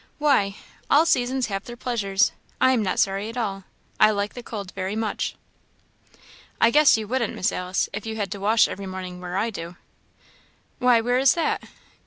"Why? all seasons have their pleasures. I am not sorry at all; I like the cold very much." "I guess you wouldn't, Miss Alice, if you had to wash every morning where I do?" "Why, where is that?"